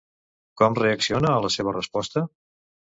Com reacciona a la seva resposta?